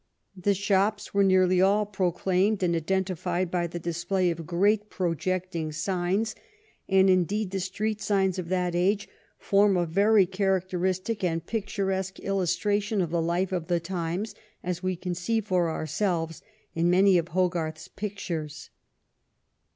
The shops were nearly all proclaimed and identified by the display of great projecting signs, and, indeed, the street signs of that age form a very characteristic and picturesque illustration of the life of the times, as we can see for ourselves in many of Hogarth's pictures.